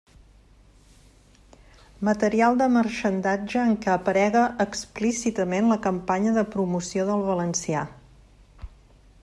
Material de marxandatge en què aparega explícitament la campanya de promoció del valencià.